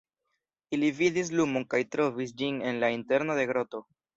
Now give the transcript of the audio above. Ili vidis lumon kaj trovis ĝin en la interno de groto.